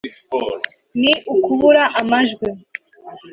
ni ukubura amajwi